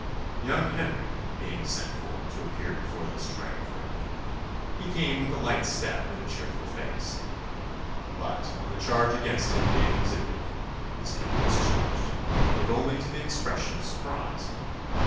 Young Henry being sent for to appear before this triumvirate, he came with a light step and a cheerful face. But, on the charge against him being exhibited, his countenance changed yet only to the expression of surprise!